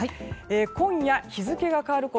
今夜、日付が変わるころ